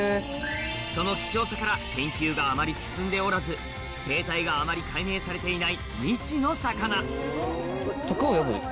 その希少さから研究があまり進んでおらず生態があまり解明されていない